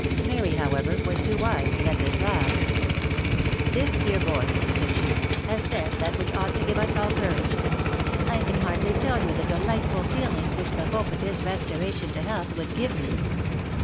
Mary, however, was too wise to let this last. " This dear boy," said she, " has said that which ought to give us all courage. I can hardly tell you the delightful feeling which the hope of his restoration to health would give me.